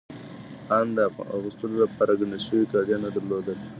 آن د اغوستو لپاره ګنډل شوي کالي يې نه درلودل.